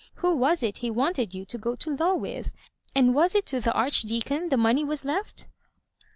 Who was it he wanted you to go to law with ? and was it to the Archdeacon the money was left?"